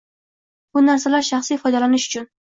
Bu narsalar shaxsiy foydalanish uchun.